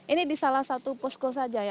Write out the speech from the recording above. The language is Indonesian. ini di salah satu posko saja ya